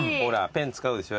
ペン使うでしょ？